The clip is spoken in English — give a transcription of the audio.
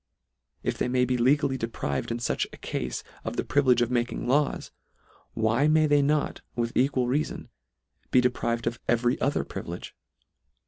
If they may be legally deprived in fuch a cafe of the privilege of making laws, why may they not, with equal reafon, be deprived of every other privilege